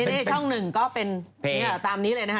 ในช่อง๑ก็เป็นตามนี้เลยนะฮะ